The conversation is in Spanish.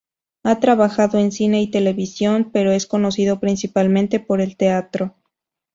Ha trabajado en cine y televisión, pero es conocido principalmente por el teatro.